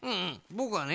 ぼくはね